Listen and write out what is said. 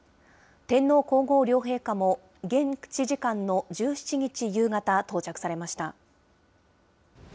天皇皇后両陛下も現地時間の１７日夕方、到着されました。